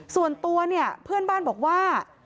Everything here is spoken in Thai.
ส่วนตัวเนี่ยเพื่อนบ้านบอกว่า